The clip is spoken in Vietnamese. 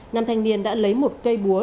nam thanh niên đã lấy một cây búa